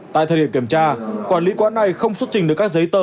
tại thời điểm kiểm tra quản lý quán này không xuất trình được các giấy tờ